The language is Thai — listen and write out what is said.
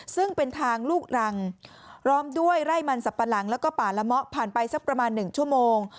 ซึ่งเป็นทางลูกรังพร้อมด้วยไร่มันสับปะหลังแล้วก็ป่าละเมาะผ่านไปสักประมาณ๑ชั่วโมง